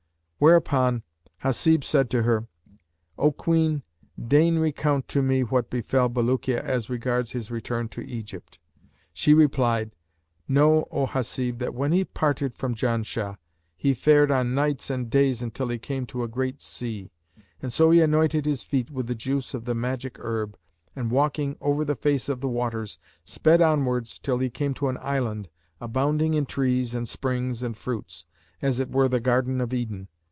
Thereupon Hasib said to her, "O Queen, deign recount to me what befell Bulukiya as regards his return to Egypt." She replied, "Know, O Hasib, that when he parted from Janshah he fared on nights and days till he came to a great sea; so he anointed his feet with the juice of the magical herb and, walking over the face of the waters, sped onwards till he came to an island abounding in trees and springs and fruits, as it were the Garden of Eden.